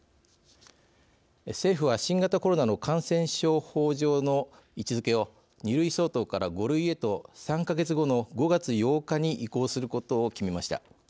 政府は新型コロナの感染症法上の位置づけを２類相当から５類へと３か月後の５月８日に移行することを決めました。